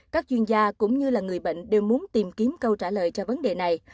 các chuyên gia cũng như là người bệnh đều muốn tìm kiếm câu trả lời cho vấn đề này